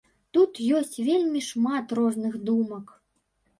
Тут ёсць вельмі шмат розных думак.